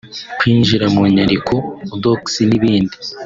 kwinjira mu nyandiko (docs) n’ibindi